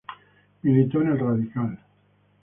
Militó en el Radical.